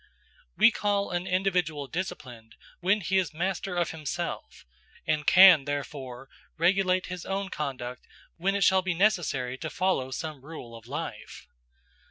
We call an individual disciplined when he is master of himself, and can, therefore, regulate his own conduct when it shall be necessary to follow some rule of life.